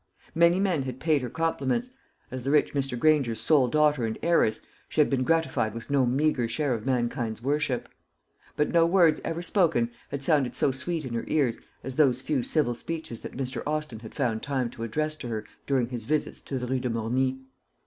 Many men had paid her compliments; as the rich Mr. Granger's sole daughter and heiress, she had been gratified with no meagre share of mankind's worship; but no words ever spoken had sounded so sweet in her ears as those few civil speeches that Mr. Austin had found time to address to her during his visits to the Rue de Morny.